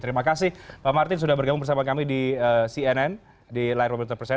terima kasih pak martin sudah bergabung bersama kami di cnn di lair pemerintah persia